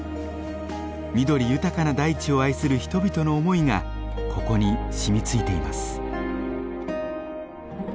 緑豊かな大地を愛する人々の思いがここに染みついています。